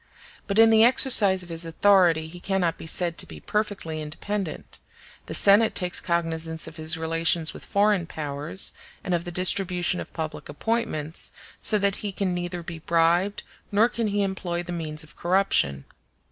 But in the exercise of his authority he cannot be said to be perfectly independent; the Senate takes cognizance of his relations with foreign powers, and of the distribution of public appointments, so that he can neither be bribed nor can he employ the means of corruption.